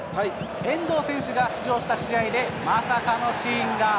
遠藤選手が出場した試合で、まさかのシーンが。